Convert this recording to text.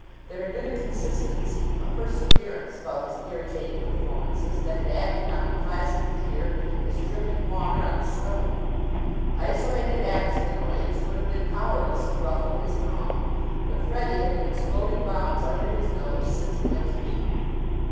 There had been a consistency, a perseverance, about his irritating performances that had acted on the placid peer as dripping water on a stone. Isolated acts of annoyance would have been powerless to ruffle his calm; but Freddie had been exploding bombs under his nose since he went to Eton.